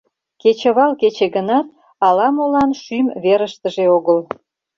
Кечывал кече гынат, ала-молан шӱм верыштыже огыл.